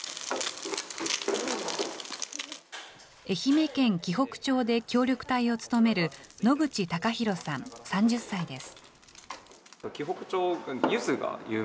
愛媛県鬼北町で協力隊を務める野口貴博さん３０歳です。